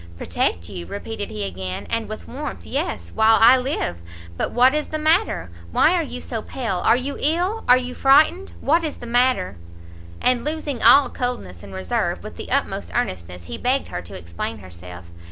"Protect you!" repeated he again, and with warmth, "yes, while I live! but what is the matter? why are you so pale? are you ill? are you frightened? what is the matter?" And losing all coldness and reserve, with the utmost earnestness he begged her to explain herself.